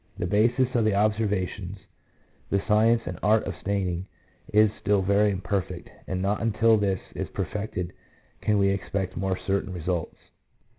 The basis of the observations, the science and art of staining, is still very imperfect, and not until this is perfected can we expect more certain results.